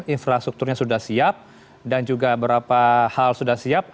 infrastrukturnya sudah siap dan juga beberapa hal sudah siap